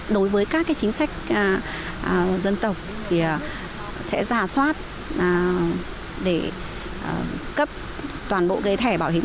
đối với các chính sách dân tộc thì sẽ ra soát để cấp toàn bộ gây thẻ bảo hiểm